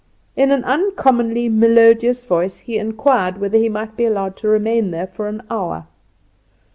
In an uncommonly melodious voice he inquired whether he might be allowed to remain there for an hour.